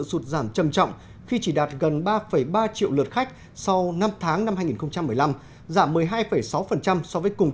sụt giảm chầm trọng khi chỉ đạt gần ba ba triệu lượt khách sau năm tháng năm hai nghìn một mươi năm giảm một mươi hai sáu so với cùng